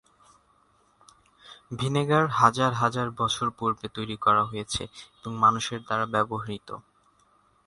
Vinegar হাজার হাজার বছর পূর্বে তৈরি করা হয়েছে এবং মানুষের দ্বারা ব্যবহৃত।